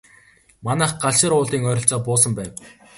Манайх Галшар уулын ойролцоо буусан байв.